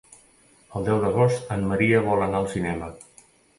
El deu d'agost en Maria vol anar al cinema.